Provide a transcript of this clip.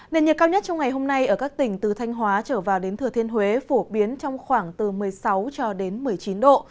nền nhiệt cao nhất trong ngày hôm nay ở các tỉnh từ thanh hóa trở vào đến thừa thiên huế phổ biến trong khoảng từ một mươi sáu cho đến một mươi chín độ